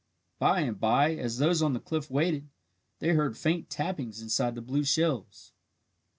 By and bye, as those on the cliff waited, they heard faint tappings inside the blue shells.